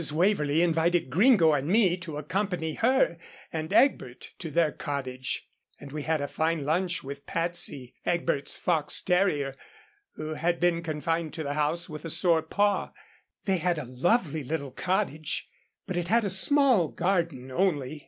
Waverlee invited Gringo and me to accompany her and Egbert to their cottage, and we had a fine lunch with Patsie, Egbert's fox terrier who had been confined to the house with a sore paw. They had a lovely little cottage, but it had a small garden only.